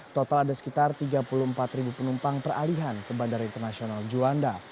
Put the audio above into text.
total ada sekitar tiga puluh empat penumpang peralihan ke bandara internasional juanda